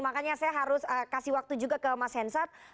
makanya saya harus kasih waktu juga ke mas hensat